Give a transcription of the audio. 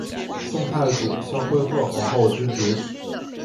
宋太祖孝惠贺皇后之侄。